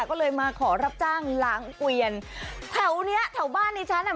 ก็เลยมาขอรับจ้างล้างเกวียนแถวเนี้ยแถวบ้านดิฉันอ่ะ